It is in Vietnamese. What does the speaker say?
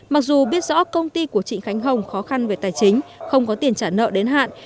mặc dù biết rõ công ty của trịnh khánh hồng khó khăn về tài chính không có tiền trả nợ đến hạn